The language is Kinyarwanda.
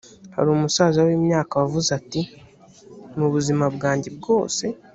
hari umusaza w imyaka wavuze ati mu buzima bwanjye bwose